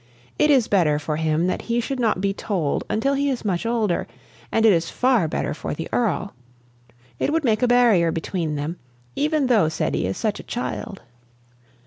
It is better for him that he should not be told until he is much older, and it is far better for the Earl. It would make a barrier between them, even though Ceddie is such a child."